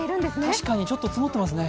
確かにちょっと積もっていますね。